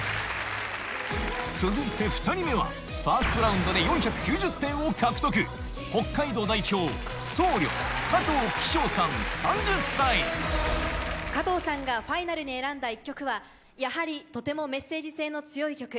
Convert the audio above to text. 続いて２人目はファーストラウンドで４９０点を獲得加藤さんがファイナルに選んだ１曲はやはりとてもメッセージ性の強い曲。